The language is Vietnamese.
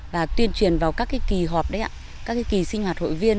và tuyên truyền vào các kỳ họp các kỳ sinh hoạt hội viên